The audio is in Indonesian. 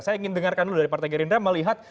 saya ingin dengarkan dulu dari partai gerindra melihat